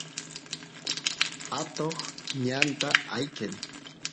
atoq ñanta ayqen